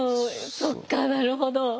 そっかなるほど。